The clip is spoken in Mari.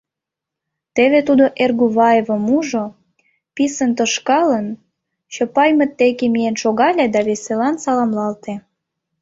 Теве тудо Эргуваевым ужо, писын тошкалын, Чопаймыт дек миен шогале да веселан саламлалте.